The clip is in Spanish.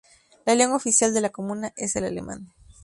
La lengua oficial de la comuna es el alemán.